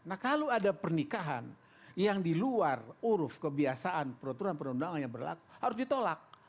nah kalau ada pernikahan yang di luar uruf kebiasaan peraturan perundangan yang berlaku harus ditolak